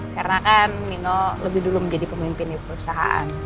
karena kan nino lebih dulu menjadi pemimpin di perusahaan